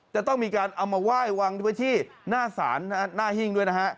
จะต้องมีการเอามาไหว้วางไว้ที่หน้าศาลหน้าหิ้งด้วยนะฮะ